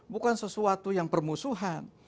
bukan sesuatu yang permusuhan